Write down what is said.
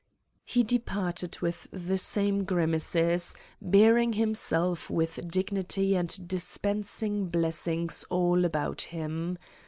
' He departed with the same grimaces, bearing himself with dignity and dispensing blessings all about him.